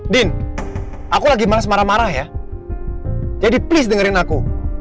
din aku lagi malas marah marah ya jadi please dengerin aku